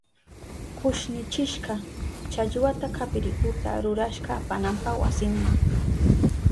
Kushnichishka challwata kapirihuta rurashka apananpa wasinma.